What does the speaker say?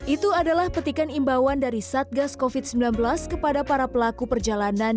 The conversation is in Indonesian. itu adalah petikan imbauan dari satgas covid sembilan belas kepada para pelaku perjalanan